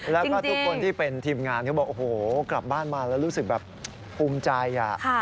แล้วก็ทุกคนที่เป็นทีมงานเขาบอกโอ้โหกลับบ้านมาแล้วรู้สึกแบบภูมิใจ